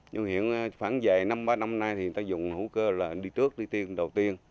nhưng hiện khoảng dài năm ba năm nay thì người ta dùng hữu cơ là đi trước đi tiên đầu tiên